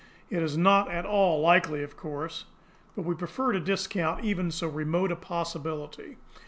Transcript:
It is not at all likely, of course; but we prefer to discount even so remote a possibility.